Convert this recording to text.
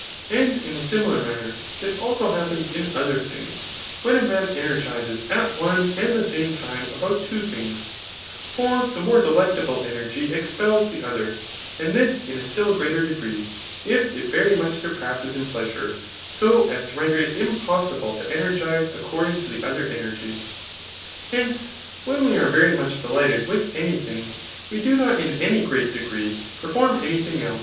And in a similar manner, this also happens in other things, when a man energizes at one and the same time about two things ; for the more delectabla energy expels the other j and this in a still greater degree, if it very much surpasses in pleasure, so as to render it impossible to energize according to the Digitized by Google CHAP. V, ETHJCS* 383 Other encrg}\ Hence> when vre are very much delighted With any tbing> we do not in any great degree perform any thing e!